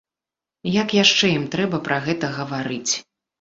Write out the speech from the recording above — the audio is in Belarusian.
Як яшчэ ім трэба пра гэта гаварыць?!.